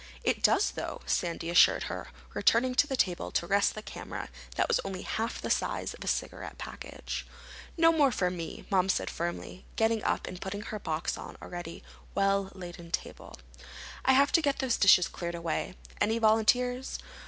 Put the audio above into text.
"It does, though," Sandy assured her, returning to the table to reset the camera that was only half the size of a cigarette package. "No more of me," Mom said firmly, getting up and putting her box on an already well laden table. "I have to get those dishes cleared away. Any volunteers?"